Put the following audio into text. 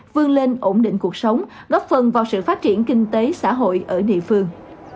vươn lên ổn định cuộc sống góp phần vào sự phát triển kinh tế xã hội ở địa phương